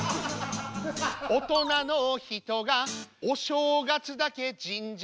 「大人の人がお正月だけ神社で」